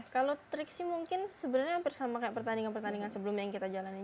kalau trik sih mungkin sebenarnya hampir sama kayak pertandingan pertandingan sebelumnya yang kita jalanin